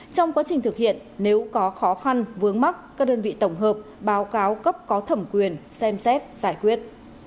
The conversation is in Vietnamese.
trong quá trình thực hiện nếu có khó khăn vướng mắt các đơn vị tổng hợp báo cáo cấp có thẩm quyền xem xét giải quyết